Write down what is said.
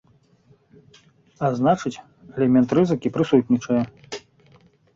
А значыць, элемент рызыкі прысутнічае.